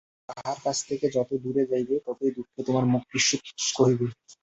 তাঁহার কাছ হইতে যত দূরে যাইবে ততই দুঃখে তোমার মুখ বিশুষ্ক হইবে।